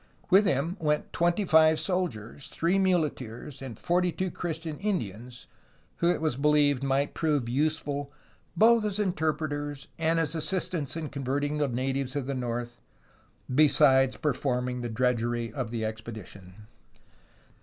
With him went twenty five soldiers, three muleteers, and forty two Christian Indians, who it was believed might prove useful both as interpreters and as assistants in con verting the natives of the north, besides performing the drudgery of the expedition.